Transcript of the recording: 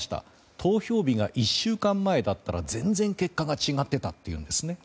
投票日が１週間前だったら全然、結果が違っていたというんですね。